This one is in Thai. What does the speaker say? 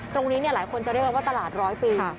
ตรงนี้หลายคนจะเรียกว่าตลาด๑๐๐ปี